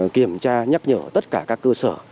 kiểm tra nhắc nhở tất cả các cơ sở